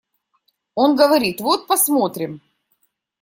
Он говорит: «Вот посмотрим».